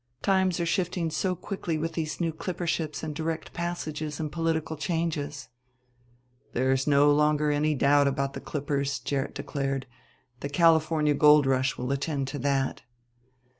Times are shifting so quickly with these new clipper ships and direct passages and political changes." "There's no longer any doubt about the clippers," Gerrit declared; "the California gold rush will attend to that."